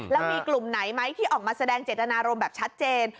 แล้วมีกลุ่มไหนไหมที่ออกมาแสดงเจตนารมณ์แบบชัดเจน